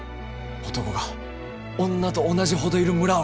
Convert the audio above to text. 男が女と同じほどいる村を！